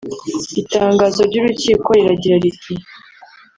Itangazo ry’urukiko riragira riti